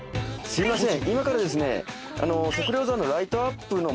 すいません。